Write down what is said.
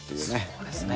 そうですね。